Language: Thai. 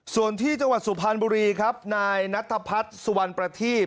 ส่วนที่จังหวัดสุพรรณบุรีครับนายนัทพัฒน์สุวรรณประทีบ